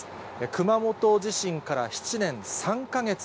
熊本地震から７年３か月。